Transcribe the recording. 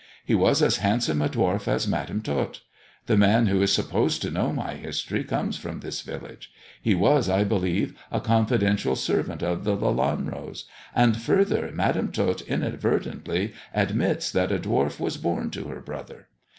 He was as handsome a dwarf as Madam Tot. The man who is supposed to know my history comes from this* village ; he was, I believe, a confidential servant of the Lelanros ; and further. Madam Tot inadvertently admits that a dwarf was born to her brother.